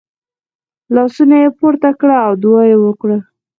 لاسونه یې پورته کړه او دعا یې وکړه .